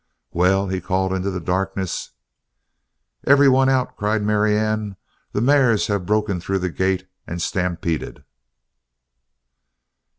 "Well?" he called into the darkness. "Every one out!" cried Marianne. "The mares have broken through the gate and stampeded!"